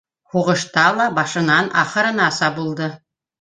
Һуғышта ла башынан ахырынаса булды.